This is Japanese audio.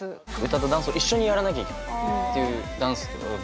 歌とダンスを一緒にやらなきゃいけないというダンスと別なので。